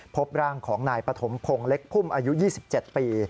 พบร่างของนายปฐมพงศ์เล็กพุ่มอายุ๒๗ปี